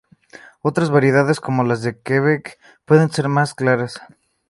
Otras variedades, como las de Quebec, pueden ser más claras.